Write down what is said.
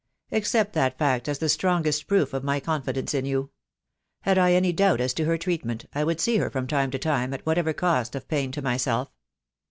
Accept that fact as the strongest proof of my confidence in you. Had I any doubt as to her treatment I would see her from time to time, at whatever cost of pain to myself."